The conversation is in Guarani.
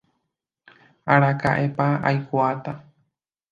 Araka'épa aikuaáta.